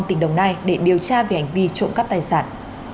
tỉnh đồng nai để điều tra về hành vi trộm cắp tài sản